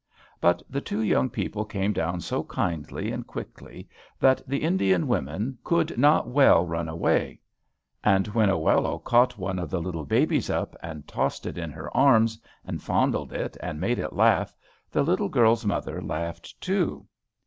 But the two young people came down so kindly and quickly, that the Indian women could not well run away. And when Oello caught one of the little babies up, and tossed it in her arms, and fondled it, and made it laugh, the little girl's mother laughed too.